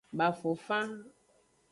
Bafofan.